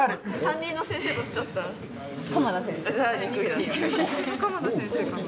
私も鎌田先生かな。